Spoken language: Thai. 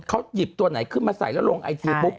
เขายิยตัวไหนขึ้นมาใส่แล้วลงไอจี